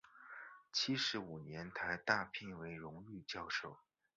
七十五年台大聘为荣誉教授。